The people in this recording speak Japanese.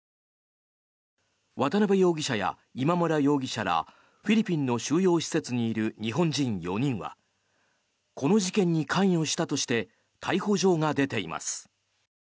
渡邉容疑者や今村容疑者らフィリピンの収容施設にいる日本人４人はこの事件に関与したとして逮捕状が出ています。